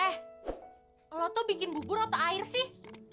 eh lo tuh bikin bubur atau air sih